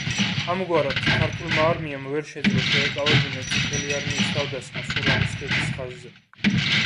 ამგვარად, ქართულმა არმიამ ვერ შეძლო შეეკავებინა წითელი არმიის თავდასხმა სურამის ქედის ხაზზე.